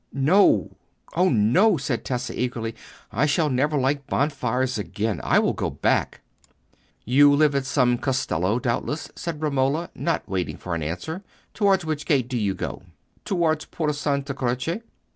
"No, oh no!" said Tessa, eagerly; "I shall never like bonfires again. I will go back." "You live at some castello, doubtless," said Romola, not waiting for an answer. "Towards which gate do you go?" "Towards Por' Santa Croce."